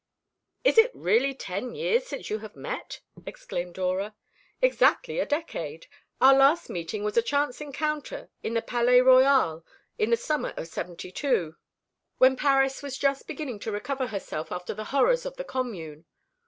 "Is it really ten years since you have met?" exclaimed Dora. "Exactly a decade. Our last meeting was a chance encounter in the Palais Royal in the summer of '72, when Paris was just beginning to recover herself after the horrors of the Commune.